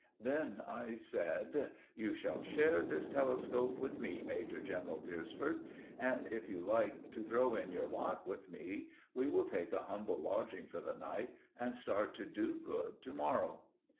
Then I said— "You shall share this telescope with me, Major general Beresford, and if you like to throw in your lot with me, we will take a humble lodging for the night and start to do good to morrow."